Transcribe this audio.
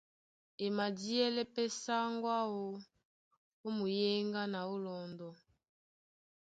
E madíɛlɛ́ pɛ́ sáŋgó áō ó muyéŋgá na ó lɔndɔ.